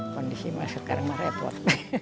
kondisi mas sekarang repot